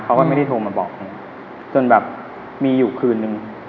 เขาก็ไม่ได้โทรมาบอกเขาจนแบบมีอยู่คืนนึง